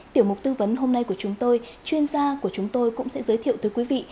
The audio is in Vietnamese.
tiểu mục tư vấn hôm nay của chúng tôi chuyên gia của chúng tôi cũng sẽ giới thiệu tới quý vị